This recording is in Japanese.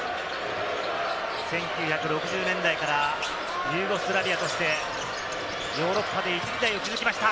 １９６０年代からユーゴスラビアとして、ヨーロッパで、いち時代を築きました。